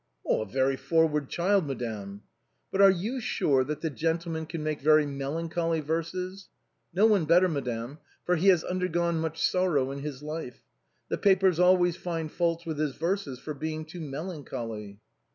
" A very forward child, madame." "But are you sure that the gentleman can make very melancholy verses?" " No one better, madame, for he has undergone much sorrow in his life. The papers always find fault with his verses for being too melancholy."